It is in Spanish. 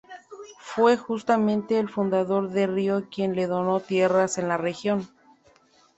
Fue justamente el fundador de Río quien le donó tierras en la región.